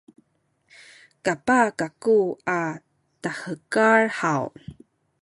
kapah kaku a tahekal haw?